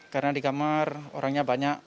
karena di kamar orangnya banyak